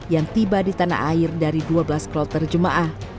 yang tiba di tanah air dari dua belas kloter jemaah